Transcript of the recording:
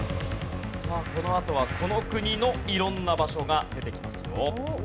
さあこのあとはこの国の色んな場所が出てきますよ。